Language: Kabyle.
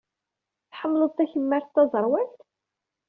Tḥemmled takemmart taẓerwalt?